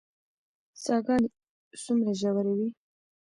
څاه ګانې څومره ژورې وي؟